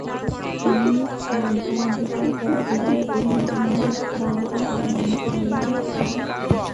তিনি চাঁদা দিতে অস্বীকার করায় বিভিন্ন সময় তাঁরা হুমকি দিয়ে আসছেন।